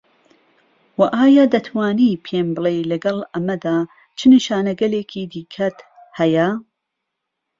و ئایا دەتوانی پێم بڵێی لەگەڵ ئەمەدا چ نیشانەگەلێکی دیکەت هەیە؟